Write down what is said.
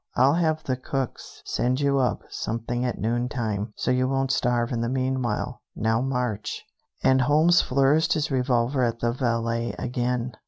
I'll have the cooks send you up something at noontime, so you won't starve in the meanwhile. Now march." And Holmes flourished his revolver at the valet again.